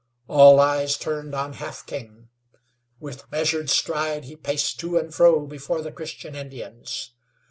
All eyes turned on Half King. With measured stride he paced to and fro before the Christian Indians.